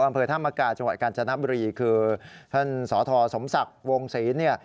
อำเภอธามกาจังหวัดกาญจนบุรีคือท่านสอทรสมศักดิ์วงศรี